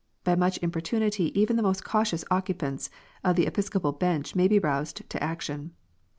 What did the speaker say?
By much importunity even the most cautious occupants of the Episcopal bench may be roused to action.